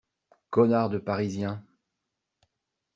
Connards de Parisiens.